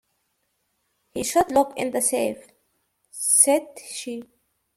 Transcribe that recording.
"He should look in the safe," said she.